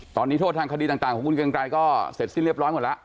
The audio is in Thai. ตอนนี้โทษทางคดีต่างของคุณเกรงไกรก็เสร็จสิ้นเรียบร้อยหมดแล้ว